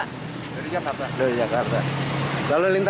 tidak terlalu panjang